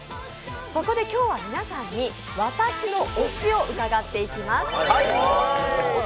そこで今日は皆さんに、私の推しを伺っていきます。